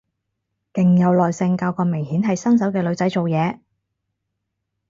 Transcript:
勁有耐性教個明顯係新手嘅女仔做嘢